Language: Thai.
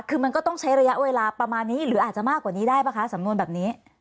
คือมันก็ต้องใช้ระยะเวลาประมาณนี้หรืออาจจะมากกว่านี้ได้ป่ะคะสำนวนแบบนี้